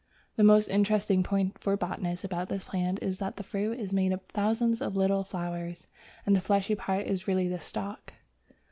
The most interesting point for botanists about this plant is that the fruit is made up of thousands of little flowers, and the fleshy part is really the stalk.